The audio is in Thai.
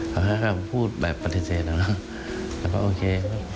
เขาก็ค่อยพูดแบบปฏิเสธแล้วก็โอเค